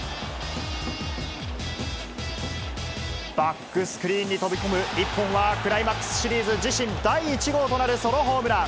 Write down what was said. バックスクリーンに飛び込む１本はクライマックスシリーズ自身第１号となるソロホームラン。